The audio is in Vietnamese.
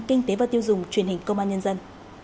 kinh tế và tiêu dùng truyền hình công an nhân dân